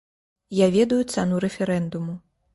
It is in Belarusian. Я ведаю цану рэферэндуму.